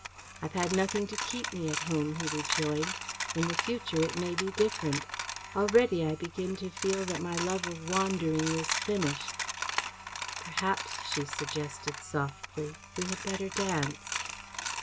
"I've had nothing to keep me at home," he rejoined. "In the future it may be different. Already I begin to feel that my love of wandering is finished." "Perhaps," she suggested softly, "we had better dance."